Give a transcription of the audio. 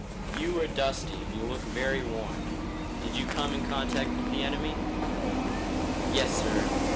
"You are dusty and you look very worn. Did you come in contact with the enemy?" "Yes, sir.